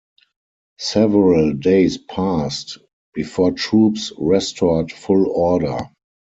Several days passed before troops restored full order.